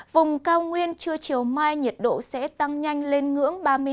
vùng cao nguyên trưa chiều mai nhiệt độ sẽ tăng nhanh lên ngưỡng ba mươi hai